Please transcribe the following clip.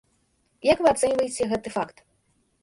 Як вы ацэньваеце гэты факт?